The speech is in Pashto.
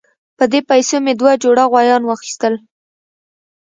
په دې پیسو مې دوه جوړه غویان واخیستل.